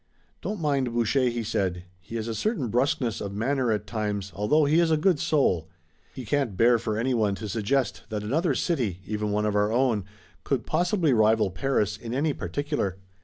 "Don't mind Boucher," he said. "He has a certain brusqueness of manner at times, although he is a good soul. He can't bear for anyone to suggest that another city, even one of our own, could possibly rival Paris in any particular.